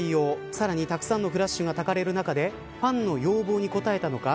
さらに、たくさんのフラッシュがたかれる中でファンの要望に応えたのか。